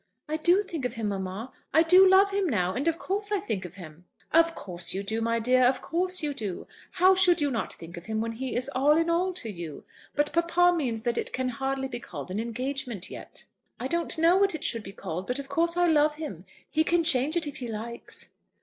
"I do think of him, mamma. I do love him now, and of course I think of him." "Of course you do, my dear; of course you do. How should you not think of him when he is all in all to you? But papa means that it can hardly be called an engagement yet." "I don't know what it should be called; but of course I love him. He can change it if he likes."